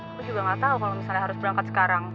aku juga nggak tahu kalau misalnya harus berangkat sekarang